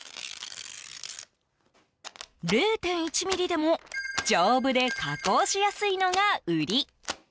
０．１ｍｍでも丈夫で加工しやすいのが売り。